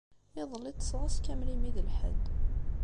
Iḍelli ṭṭṣeɣ ass kamel imi d lḥedd.